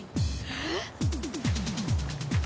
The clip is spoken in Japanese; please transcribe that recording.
えっ？